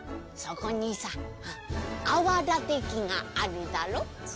「そこにさ泡立て器があるだろ？」。